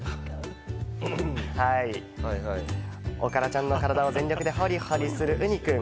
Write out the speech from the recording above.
おからちゃんの体を全力でホリホリする、うにくん。